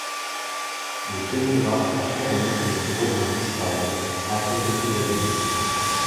Le Telegraph a fermé ces bureaux en Israël après quelques années.